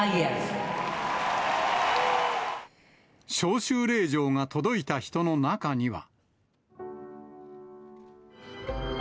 招集令状が届いた人の中には。